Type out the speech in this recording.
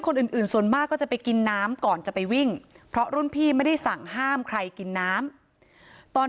คนอื่นส่วนมากก็จะไปกินน้ำก่อนจะไปวิ่งเพราะรุ่นพี่ไม่ได้สั่งห้ามใครกินน้ำตอน